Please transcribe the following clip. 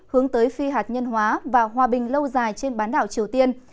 hướng tới phi hạt nhân hóa và hòa bình lâu dài trên bán đảo triều tiên